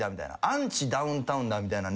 アンチダウンタウンだみたいな。